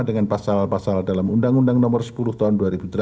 dengan pasal pasal dalam undang undang nomor sepuluh tahun dua ribu delapan